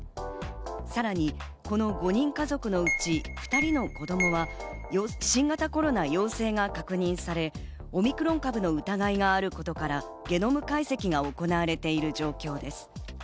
さらに、この５人家族のうち２人の子供は新型コロナ陽性が確認され、オミクロン株の疑いがあることからゲノム解析が行われている状況です。